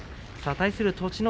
対する栃ノ